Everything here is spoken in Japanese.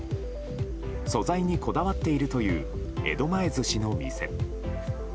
素材にこだわっているという江戸前寿司の店。